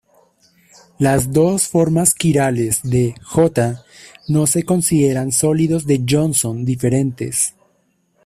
Las dos formas quirales de "J" no se consideran sólidos de Johnson diferentes.